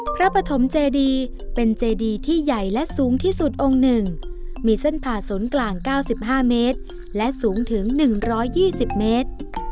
ปฐมเจดีเป็นเจดีที่ใหญ่และสูงที่สุดองค์๑มีเส้นผ่าศูนย์กลาง๙๕เมตรและสูงถึง๑๒๐เมตร